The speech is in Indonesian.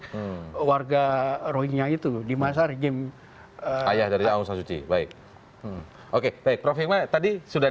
yang warga rohinya itu di masa rejem ayah dari amu sasuji baik oke baik prof hikmah tadi sudah